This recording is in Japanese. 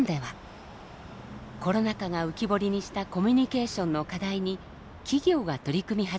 コロナ禍が浮き彫りにしたコミュニケーションの課題に企業が取り組み始めています。